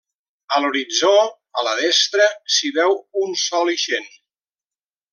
A l'horitzó, a la destra, s'hi veu un sol ixent.